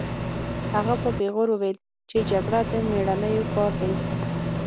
هغه په پیغور وویل چې جګړه د مېړنیو کار دی